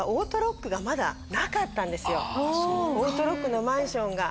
オートロックのマンションが。